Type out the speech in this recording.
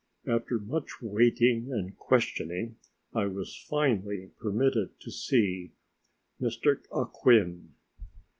After much waiting and questioning, I was finally permitted to see M. Acquin.